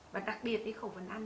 và đặc biệt cái khẩu phần ăn